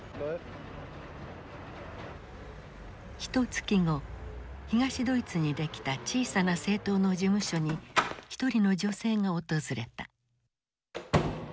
ひとつき後東ドイツにできた小さな政党の事務所に一人の女性が訪れた。